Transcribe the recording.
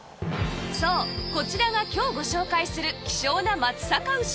そうこちらが今日ご紹介する希少な松阪牛